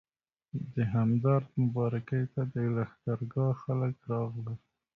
د همدرد مبارکۍ ته د لښکرګاه خلک راغلل.